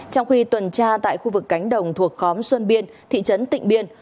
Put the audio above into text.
trong khi tuần tra tại khu vực cánh đồng thuộc khóm xuân biên thị trấn tịnh biên